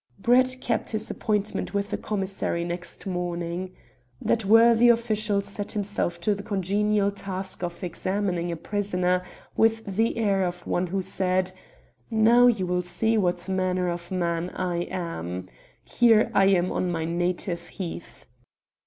Brett kept his appointment with the commissary next morning. That worthy official set himself to the congenial task of examining a prisoner with the air of one who said: "Now you will see what manner of man I am. Here I am on my native heath."